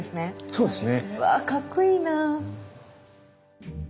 そうですね。